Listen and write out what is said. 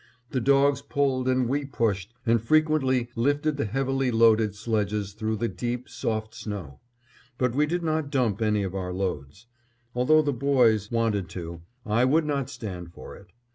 The dogs pulled, and we pushed, and frequently lifted the heavily loaded sledges through the deep, soft snow; but we did not dump any of our loads. Although the boys wanted to, I would not stand for it.